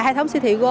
hệ thống siêu thị go